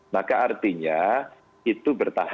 maka artinya itu bertahap